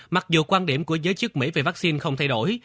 mặc dù quan điểm của giới chức mỹ về vaccine không thay đổi